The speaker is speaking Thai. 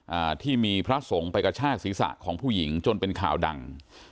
อ่าที่มีพระสงฆ์ไปกระชากศีรษะของผู้หญิงจนเป็นข่าวดัง